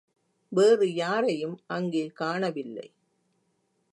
வேறு யாரையும் அங்கே காணவில்லை.